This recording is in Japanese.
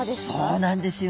そうなんですよ。